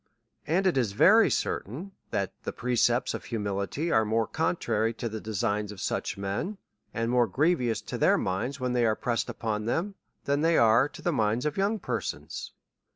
And it is very certain, that the precepts of hu mility are more contrary to the designs of such men, and more grievous to their minds, when they are pressed upon them, than they are to the minds of young persons.